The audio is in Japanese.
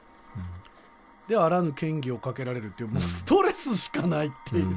であらぬ嫌疑をかけられるってストレスしかないっていう。